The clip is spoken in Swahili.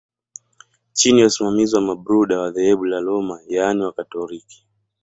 Chini ya usimamizi wa Mabruda wa dhehebu la Roma yaani wakatoliki